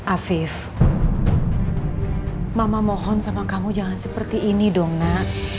afif mama mohon sama kamu jangan seperti ini dong nak